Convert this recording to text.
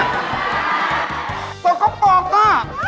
ตกก๊อกน่ะ